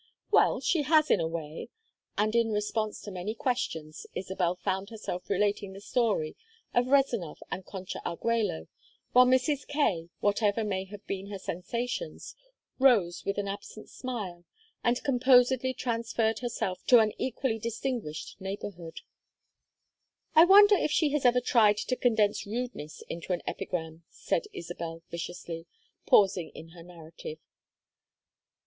"Well, she has, in a way." And in response to many questions Isabel found herself relating the story of Rezánov and Concha Argüello, while Mrs. Kaye, whatever may have been her sensations, rose with an absent smile and composedly transferred herself to an equally distinguished neighborhood. "I wonder if she has ever tried to condense rudeness into an epigram," said Isabel viciously, pausing in her narrative.